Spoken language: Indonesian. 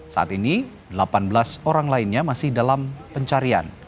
saat ini delapan belas orang lainnya masih dalam pencarian